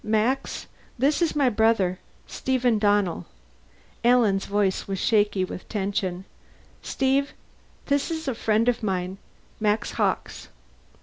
"M Max, this is my brother, Steven Donnell." Alan's voice was shaky with tension. "Steve, this is a friend of mine. Max Hawkes."